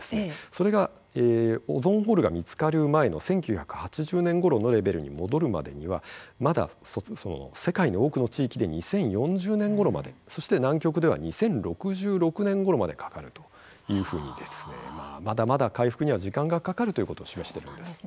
それがオゾンホールが見つかる前の１９８０年ごろのレベルに戻るまでにはまだ世界の多くの地域で２０４０年ごろまでそして南極では２０６６年ごろまでかかるというふうにですねまだまだ回復には長い時間がかかるということを示してるんです。